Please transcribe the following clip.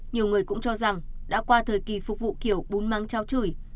nhiều người cũng cho rằng đã qua thời kỳ phục vụ kiểu bún mắng cháo chửi